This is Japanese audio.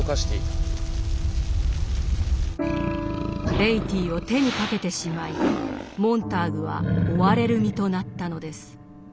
・ベイティーを手にかけてしまいモンターグは追われる身となったのです。